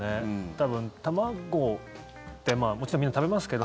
多分、卵って、もちろんみんな食べますけど。